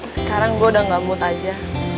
sekarang gue udah gak mood aja